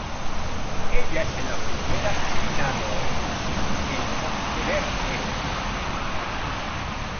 Ella es la primera Sinaloense en obtener este título.